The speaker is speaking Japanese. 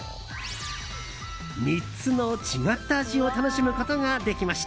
３つの違った味を楽しむことができました。